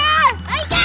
kita kasih tau